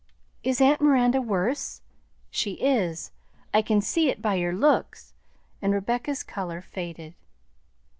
"Is aunt Miranda worse? She is; I can see it by your looks;" and Rebecca's color faded.